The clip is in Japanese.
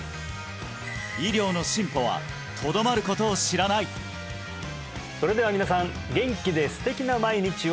医療の進歩はとどまることを知らないそれでは皆さん元気で素敵な毎日を！